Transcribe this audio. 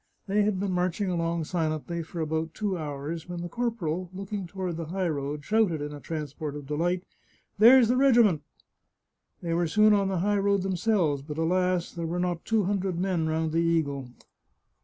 They had been marching along silently for about two hours when the corporal, looking toward the high road, shouted in a transport of delight, " There's the regiment !" They were soon on the high road themselves, but alas, there were not two hundred men round the eagle